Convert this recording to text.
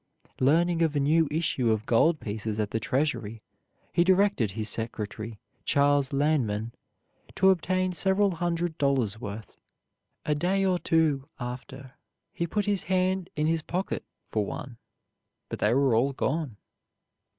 Learning of a new issue of gold pieces at the Treasury, he directed his secretary, Charles Lanman, to obtain several hundred dollars' worth. A day or two after he put his hand in his pocket for one, but they were all gone.